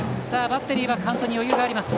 バッテリーはカウントに余裕があります。